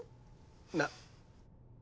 なっ。